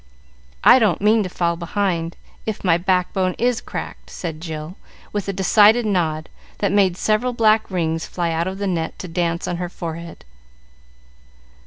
I don't mean to fall behind, if my backbone is cracked," said Jill, with a decided nod that made several black rings fly out of the net to dance on her forehead.